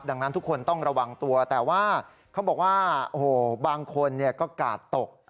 ดังนั้นทุกคนต้องระวังตัวแต่ว่าเขาบอกว่าโอ้โหบางคนก็กาดตก